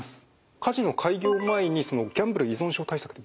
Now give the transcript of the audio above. カジノ開業前にギャンブル依存症対策ってどうなってますか？